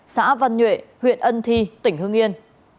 xã văn nhuệ huyện ân thi tỉnh hương yên